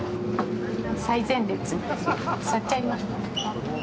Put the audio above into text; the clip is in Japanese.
最前列、座っちゃいます。